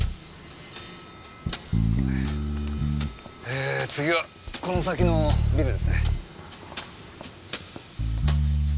えー次はこの先のビルですね。